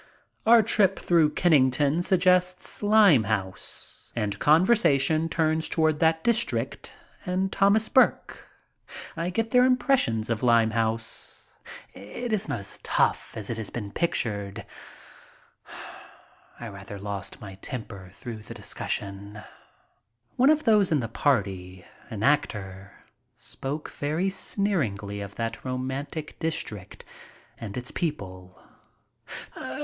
Our trip through Kennington suggests Limehouse and conversation turns toward that dis trict and Thomas Burke. I get their impressions of Limehouse. It is not as tough as it has been pictured. I rather lost my temper through the discussion. One of those in the party, an actor, spoke very sneeringly of that romantic district and its people.